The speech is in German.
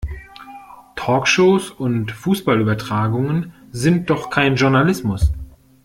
Talkshows und Fußballübertragungen sind doch kein Journalismus!